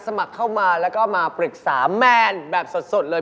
สมัครเข้ามาแล้วก็มาปรึกษาแมนแบบสดเลย